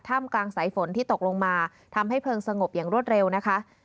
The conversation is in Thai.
มกลางสายฝนที่ตกลงมาทำให้เพลิงสงบอย่างรวดเร็วนะคะ